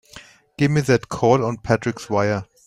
Give me that call on Patrick's wire!